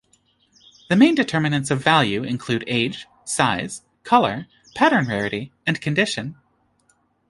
The main determinants of value include age, size, colour, pattern rarity and condition.